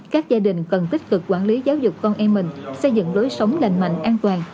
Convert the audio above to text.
các gia đình cần tích cực quản lý giáo dục con em mình xây dựng lối sống lành mạnh an toàn